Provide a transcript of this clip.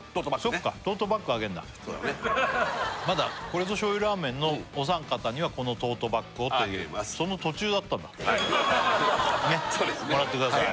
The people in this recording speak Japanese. トートバッグねあっそっかまだこれぞ醤油ラーメンのお三方にはこのトートバッグをというその途中だったんだねっもらってください